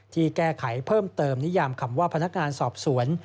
ที่แก้ไขเพิ่มเติมนิยามคำว่าพนักงานสอบสวน